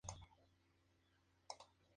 Finalmente, Pablo se recupera.